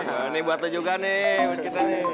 ini buat lo juga nih